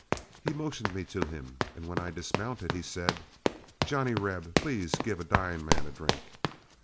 He motioned me to him, and when I dismounted, he said, 'Johnny Reb, please give a dying man a drink.'